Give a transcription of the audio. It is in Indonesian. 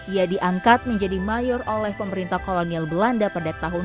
ia diangkat menjadi mayor oleh pemerintah kolonial belanda pada tahun seribu sembilan ratus tiga puluh enam